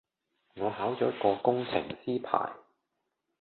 我考咗個工程師牌